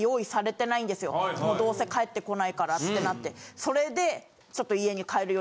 もうどうせ帰って来ないからってなって。